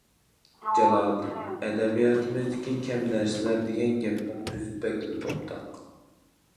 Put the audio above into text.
جالالىدىن:« ئەدەبىياتىمىزدىكى كەم نەرسىلەر» دېگەن گەپنىڭ ئۆزى بەكلا تومتاق.